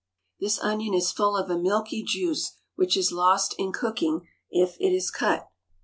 This onion is full of a milky juice, which is lost in cooking if it is cut.